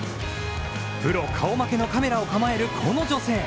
プロ顔負けのカメラを構える、この女性。